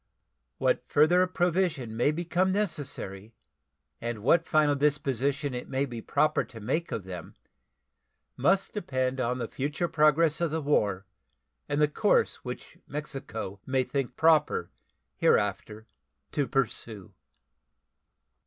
What further provision may become necessary and what final disposition it may be proper to make of them must depend on the future progress of the war and the course which Mexico may think proper hereafter to pursue.